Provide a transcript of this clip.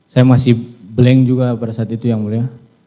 saya masih blank juga pada saat itu yang mulia